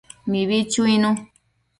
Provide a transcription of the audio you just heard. Mibi chuinu